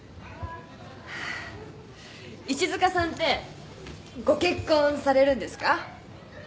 石塚さんってご結婚されるんですか？